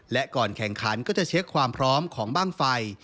และก่อนแข่งขันก็จะเช็คความพร้อมของบ้างไฟ